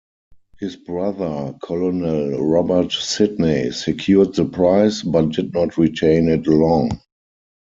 His brother, Colonel Robert Sidney secured the prize, but did not retain it long.